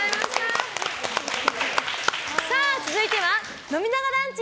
続いては飲みながランチ！